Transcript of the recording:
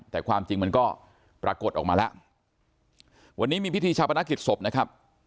แต่ความจริงมันก็ปรากฏออกมาแล้ววันนี้มีพิธีชาปนกิจศพนะครับ